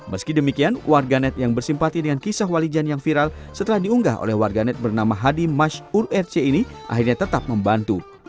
meski demikian warganet yang bersimpati dengan kisah walijan yang viral setelah diunggah oleh warganet bernama hadi mash urc ini akhirnya tetap membantu